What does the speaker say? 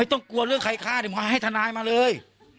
เออเนี่ยโอเคเลย